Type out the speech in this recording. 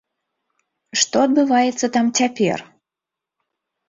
Што адбываецца там цяпер?